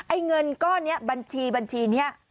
ไอ้เงินก้อนเนี่ยบัญชีเนี่ย